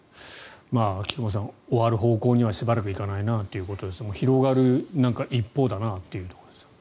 菊間さん終わる方向にはしばらく行かないなということですね広がる一方だなというところです。